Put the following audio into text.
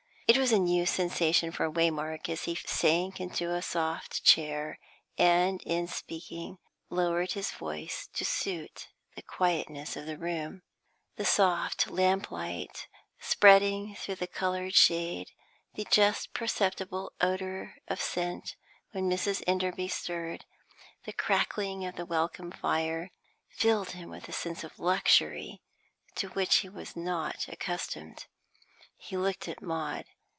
It was a new sensation for Waymark as he sank into a soft chair, and, in speaking, lowered his voice, to suit the quietness of the room. The soft lamp light spreading through the coloured shade, the just perceptible odour of scent when Mrs. Enderby stirred, the crackling of the welcome fire, filled him with a sense of luxury to which he was not accustomed. He looked at Maud.